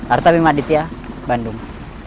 artami maditya bandung